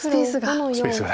スペースが。